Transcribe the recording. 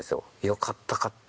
「よかった買って」。